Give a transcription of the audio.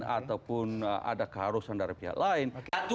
ataupun ada keharusan dari pihak lain